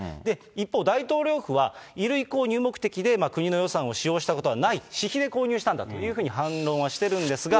一方、大統領府は衣類購入目的で国の予算を使用したことはないと、私費で購入したんだと反論はしてるんですが。